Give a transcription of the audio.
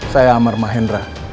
saya amar mahendra